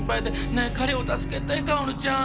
ねえ彼を助けて薫ちゃん！